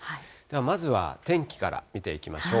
まずは天気から見ていきましょう。